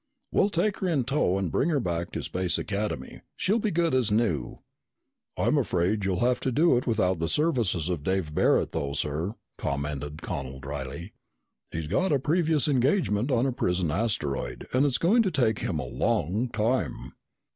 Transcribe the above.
"We'll take her in tow and bring her back to Space Academy. She'll be good as new." "I'm afraid you'll have to do without the services of Dave Barret though, sir," commented Connel dryly. "He's got a previous engagement on a prison asteroid and it's going to take him a long time."